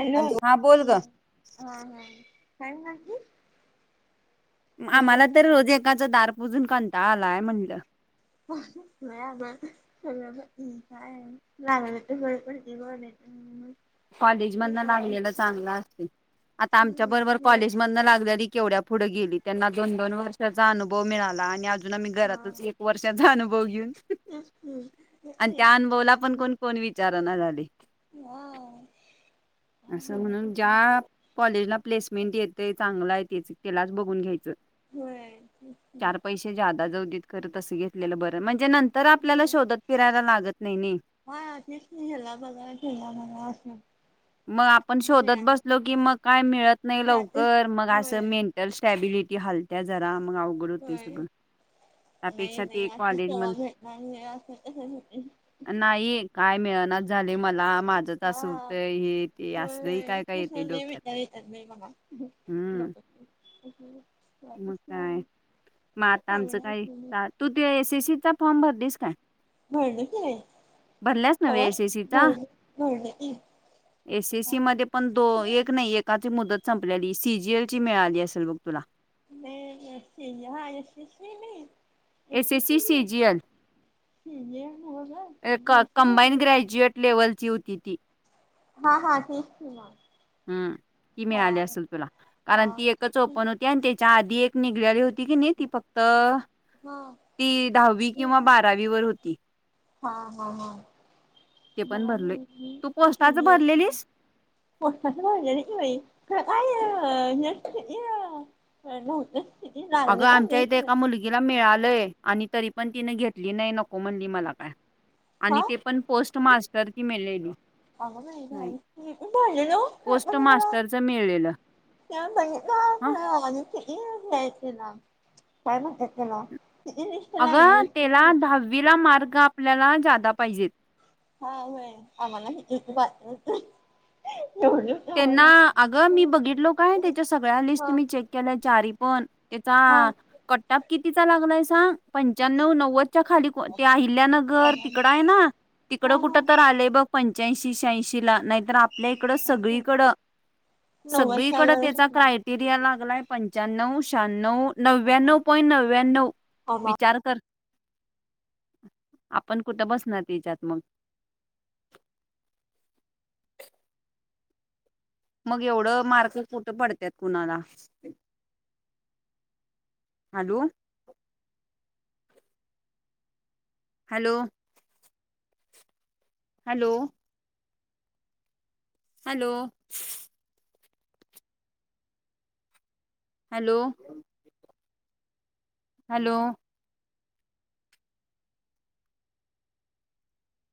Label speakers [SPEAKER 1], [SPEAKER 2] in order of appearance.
[SPEAKER 1] Hello
[SPEAKER 2] हा बोल
[SPEAKER 1] ह
[SPEAKER 2] ग
[SPEAKER 1] हा हा काय म्हंटलीस
[SPEAKER 2] आम्हाला तर रोज एकाच दार पूजून कांटाळ आलाय म्हणलं
[SPEAKER 1] नाही अगं [inaudible] लागल तर बरं पडतंय ग ह मग
[SPEAKER 2] कॉलेजमध लागलेला चांगला असे आता आमच्या बरोबर
[SPEAKER 1] हम्म होय
[SPEAKER 2] कॉलेजमधन लागल्या केवढ्या पुढे गेली त्यांना दोन दोन वर्षाचा अनुभव मिळाला आणि अजून आम्ही घरातच
[SPEAKER 1] हा
[SPEAKER 2] एक वर्षाचा अनुभव घेऊन
[SPEAKER 1] तेच की
[SPEAKER 2] आणि
[SPEAKER 1] हा
[SPEAKER 2] त्या अनुभवला पण कोण कोण विचारणा झालय
[SPEAKER 1] हो
[SPEAKER 2] असं म्हणून ज्या कॉलेजला प्लेसमेंट येतय चांगला आहे त्या त्यालाच बघून घ्यायचं
[SPEAKER 1] होय.
[SPEAKER 2] चार पैसे ज्यादा जाऊ द कर तस घेतलेलं बर म्हणजे नंत तर आपल्याला शोधत फिरायला लागत नाही नाही
[SPEAKER 1] हा तेच की याला बघा याला बघा आस
[SPEAKER 2] मग आपण शोधत बसलो की मग काय मिळत नाही
[SPEAKER 1] त्यातच
[SPEAKER 2] लवकर मग असं
[SPEAKER 1] होय
[SPEAKER 2] मेंटल स्टॅबिलिटी हलत्या जरा मग अवघड होते
[SPEAKER 1] होय.
[SPEAKER 2] सगळं
[SPEAKER 1] नाही
[SPEAKER 2] त्यापेक्षा
[SPEAKER 1] नाही
[SPEAKER 2] ते
[SPEAKER 1] असं
[SPEAKER 2] कॉलेज
[SPEAKER 1] सवा्हा
[SPEAKER 2] म्हण
[SPEAKER 1] भेटणार असं कस
[SPEAKER 2] नाही काय मिेळनात झाले मला माझच अस होत
[SPEAKER 1] हो हो तस लय
[SPEAKER 2] डोक्यात
[SPEAKER 1] विचार येत्यात मनात
[SPEAKER 2] हम्म
[SPEAKER 1] तवा
[SPEAKER 2] मग काय
[SPEAKER 1] पासन
[SPEAKER 2] मग आता आमचं काही तू तू एस एससीचा फॉर्म भरलीस काय
[SPEAKER 1] भरलोय की मी
[SPEAKER 2] भरल्यास
[SPEAKER 1] तवाच भरलोय की
[SPEAKER 2] एसीसी मध्ये पण दो एक नाही एक आ मुदत संपल्याली सीजीएल ची मिळाली असेल बघ तुला
[SPEAKER 1] नाही नाही [inaudible]
[SPEAKER 2] एसएससी सीजीएल
[SPEAKER 1] म्हणजे नव्ह
[SPEAKER 2] कंबाईन
[SPEAKER 1] ग [inaudible]
[SPEAKER 2] ग्रॅज्युएट लेव्हलची होती ती
[SPEAKER 1] हा हा तीच ती [inaudible]
[SPEAKER 2] हम् ती मिळाली असेल तुला
[SPEAKER 1] हा हा
[SPEAKER 2] कारण ती एक ओपन होती आणि त्याची च्या आधी एक निघलेली होती की नाही ती फक्त
[SPEAKER 1] हा
[SPEAKER 2] ती दहावी किंवा बारावी वर होती.
[SPEAKER 1] हा हा
[SPEAKER 2] ते पण
[SPEAKER 1] मला
[SPEAKER 2] भरलोय
[SPEAKER 1] माहीत नाही
[SPEAKER 2] तू
[SPEAKER 1] सी
[SPEAKER 2] पोस्टाच
[SPEAKER 1] जी एल ची
[SPEAKER 2] भरलेलीस
[SPEAKER 1] पोष्टाची भरलेली की बाई खर काय हे [inaudible]
[SPEAKER 2] तिला मिळालंय आणि तरी पण तिने घेतली नाही नको म्हणली मला काय
[SPEAKER 1] हा
[SPEAKER 2] आणि ते पण पोस्ट मास्टरची मिलेली
[SPEAKER 1] अग बाई भारीचं की मी पण भरलेलो खर
[SPEAKER 2] पोस्ट
[SPEAKER 1] पण मला
[SPEAKER 2] मास्टरच मिळलेलं
[SPEAKER 1] त्या बाई का
[SPEAKER 2] हा
[SPEAKER 1] आ [inaudible] तिला काय म्हणत्यात त्याला किती लिस्ट
[SPEAKER 2] अगं त्याला
[SPEAKER 1] लागणार
[SPEAKER 2] दहावीला मार्ग आपल्याला जादा पाहिजेत!
[SPEAKER 1] हा होय आम्हाला नव्हतीत बा
[SPEAKER 2] त्यांना अगं मी बघितलो काय त्याच्या सगळ्या
[SPEAKER 1] हा
[SPEAKER 2] लिस्टमही चेक केल्या चारी पण.
[SPEAKER 1] हा
[SPEAKER 2] त्याचा कट् ऑफ कितीचा लागलाय सांग?
[SPEAKER 1] किती
[SPEAKER 2] पंच्याण्णव नव्वदच्या खाली
[SPEAKER 1] हा
[SPEAKER 2] ते अहिल्यानगर तिकडं आहे ना, तिकडं कुठं
[SPEAKER 1] हा
[SPEAKER 2] तर आलंय बघ पंच्याऐंशी शहाऐंशी ला नाहीतर आपल्या इकड सगळी. ड
[SPEAKER 1] नव्वदच्या
[SPEAKER 2] सगळीकड
[SPEAKER 1] वरच
[SPEAKER 2] त्याचा
[SPEAKER 1] ना
[SPEAKER 2] क्रायटेरिया लागलाय पंच्याण्णव शण्णव.
[SPEAKER 1] आबा
[SPEAKER 2] नव्याण्णव पॉइ नव्याण्णव
[SPEAKER 1] आबा
[SPEAKER 2] विचार कर? आपण कुठं बसणार हिच्यात मग.
[SPEAKER 1] ह [unintelligible]
[SPEAKER 2] मग एवढं मार्क कुठं पडतत कुणाला? Hello hello!. Hello! Hello hello hello.